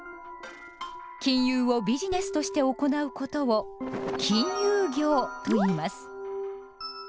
金融をビジネスとして行うことを「金融業」といいます。